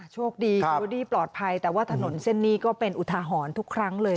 โชคดีเชอรี่ปลอดภัยแต่ว่าถนนเส้นนี้ก็เป็นอุทาหรณ์ทุกครั้งเลย